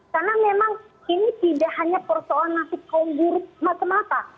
karena memang ini tidak hanya persoalan masing masing kaum buru mata mata